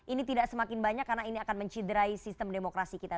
ini tidak semakin banyak karena ini akan menciderai sistem demokrasi kita